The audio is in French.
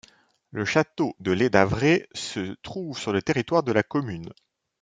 Le château de Lédavrée se trouve sur le territoire de la commune.